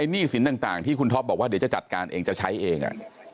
นี่สิทธิ์ต่างที่คุณท็อปบอกว่าจะจัดการเองจะใช้เอง